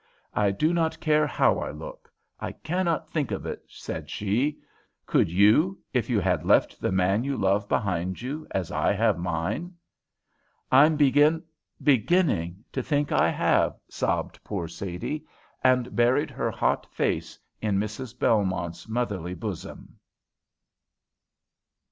"I do not care how I look. I cannot think of it," said she; "could you, if you had left the man you love behind you, as I have mine?" "I'm begin beginning to think I have," sobbed poor Sadie, and buried her hot face in Mrs. Belmont's motherly bosom.